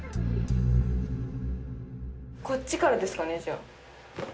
こっちからですかねじゃあ。